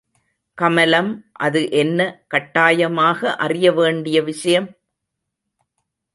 கமலம் அது என்ன கட்டாயமாக அறிய வேண்டிய விஷயம்?